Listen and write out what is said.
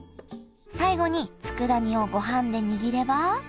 最後につくだ煮をごはんで握れば。